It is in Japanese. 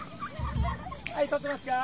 はいとってますか？